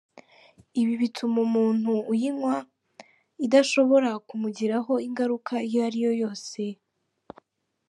Ibi bituma umuntu uyinywa idashobora kumugiraho ingaruka iyo ariyo yose.